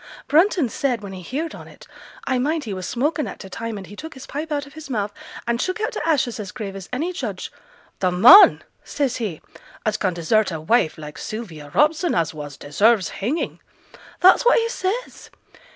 Brunton said, when he heared on it I mind he was smoking at t' time, and he took his pipe out of his mouth, and shook out t' ashes as grave as any judge "The man," says he, "as can desert a wife like Sylvia Robson as was, deserves hanging!" That's what he says!